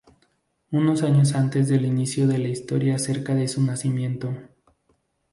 Unos años antes del inicio de la historia cerca de su nacimiento.